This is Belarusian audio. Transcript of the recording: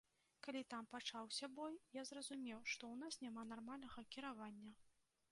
Калі там пачаўся бой, я зразумеў, што ў нас няма нармальнага кіравання.